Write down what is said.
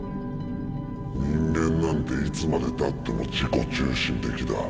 人間なんていつまでたっても自己中心的だ。